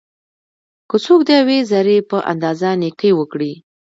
که څوک د یوې ذري په اندازه نيکي وکړي؛